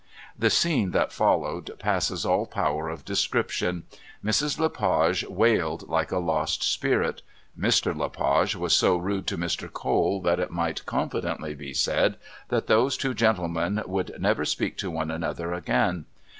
The scene that followed passes all power of description. Mrs. Le Page wailed like a lost spirit; Mr. Le Page was so rude to Mr. Cole that it might confidently be said that those two gentlemen would never speak to one another again.